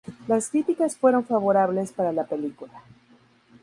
Las críticas fueron favorables para la película.